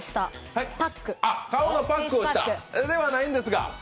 パックをした？ではないんですが。